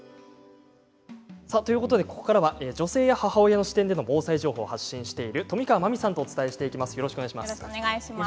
ここからは女性や母親の視点での防災情報を発信している冨川万美さんとお伝えしていきます。